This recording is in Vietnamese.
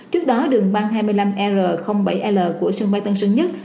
trước đó đường băng hai mươi năm r bảy l của sân bay tân sơn nhất